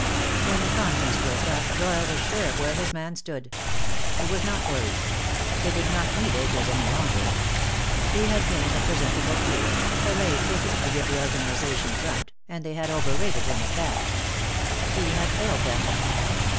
When the conference broke up Doyle was sure of where his man stood. He was not worried. They did not need Akers any longer. He had been a presentable tool, a lay figure to give the organization front, and they had over rated him, at that. He had failed them.